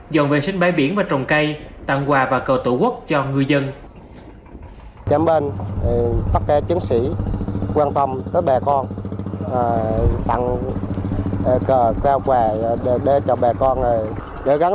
dọn vệ sinh bay biển và trồng cây tặng quà và cờ tổ quốc cho người dân